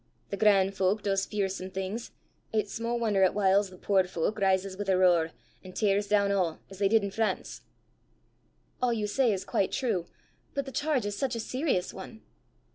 Thae gran' fowk does fearsome things! It's sma' won'er 'at whiles the puir fowk rises wi' a roar, an' tears doon a', as they did i' France!" "All you say is quite true; but the charge is such a serious one!"